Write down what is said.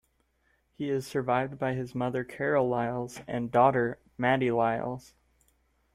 He is survived by his mother Carol Liles and daughter Maddie Liles.